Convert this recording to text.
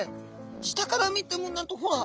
下から見てもなんとほら！